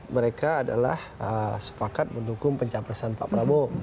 mereka adalah sepakat mendukung pencapresan pak prabowo